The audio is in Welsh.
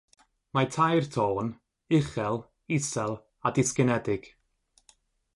Mae tair tôn: uchel, isel a disgynedig.